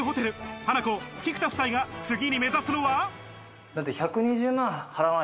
ハナコ・菊田夫妻が次に目指すのは。